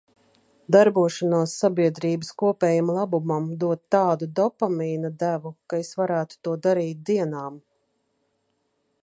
Darbošanās sabiedrības kopējam labumam dod tādu dopamīna devu, ka es varētu to darīt dienām.